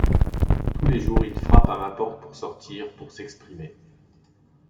Tous les jours il frappe à ma porte pour sortir, pour s’exprimer.